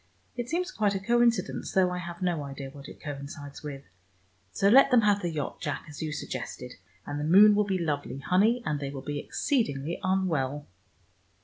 It seems quite a coincidence, though I have no idea what it coincides with. So let them have the yacht, Jack, as you suggested, and the moon will be lovely, honey, and they will be exceedingly unwell!"